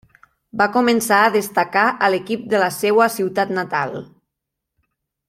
Va començar a destacar a l'equip de la seua ciutat natal.